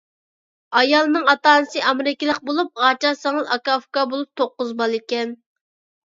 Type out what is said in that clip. ئايالنىڭ ئاتا-ئانىسى ئامېرىكىلىق بولۇپ، ئاچا-سىڭىل، ئاكا-ئۇكا بولۇپ توققۇز بالىكەن.